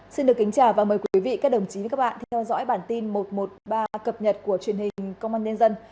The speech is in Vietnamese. xin được kính chào và mời quý vị các đồng chí với các bạn theo dõi bản tin một trăm một mươi ba cập nhật của truyền hình công an nhân dân